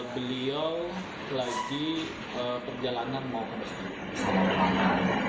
beliau lagi berjalan bersama seorang temannya